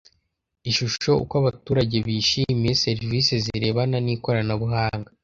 Ishusho uko abaturage bishimiye serivisi zirebana n ikoranabuhanga